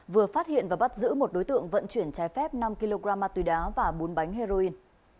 vừa phát hiện và bắt giữ một đối tượng vận chuyển trái phép năm kg ma túy đá và bốn bánh heroin